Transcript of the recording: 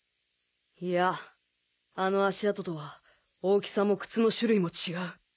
いやあの足跡とは大きさも靴の種類も違う。